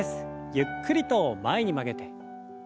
ゆっくりと前に曲げて。